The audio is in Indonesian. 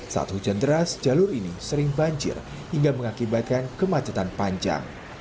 saat hujan deras jalur ini sering banjir hingga mengakibatkan kemacetan panjang